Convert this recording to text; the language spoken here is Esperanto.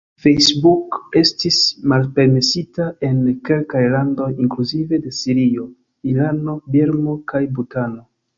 Facebook estis malpermesita en kelkaj landoj, inkluzive de Sirio, Irano, Birmo kaj Butano.